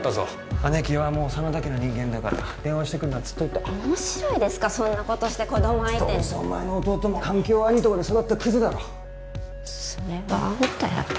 姉貴はもう真田家の人間だから電話してくんなっつっといた面白いですかそんなことして子供相手にどうせお前の弟も環境悪いとこで育ったクズだろそれはあんたやろ